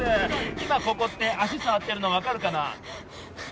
今ここって足触ってるの分かるかな